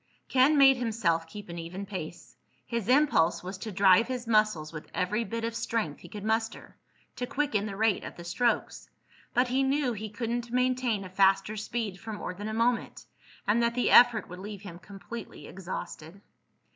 Ken made himself keep an even pace. His impulse was to drive his muscles with every bit of strength he could muster—to quicken the rate of the strokes. But he knew he couldn't maintain a faster speed for more than a moment, and that the effort would leave him completely exhausted.